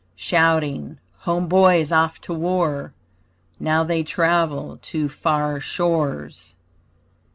Shouting home boys off to war! Now they travel to far shores.